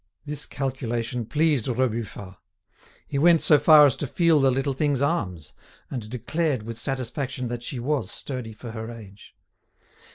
This calculation pleased Rebufat. He went so far as to feel the little thing's arms, and declared with satisfaction that she was sturdy for her age.